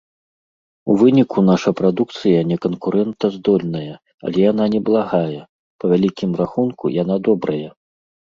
У выніку наша прадукцыя не канкурэнтаздольная, але яна неблагая, па вялікім рахунку, яна добрая!